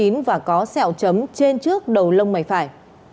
đối tượng này cao một sáu mươi chín m và có sẹo chấm trên trước đầu lông mày phải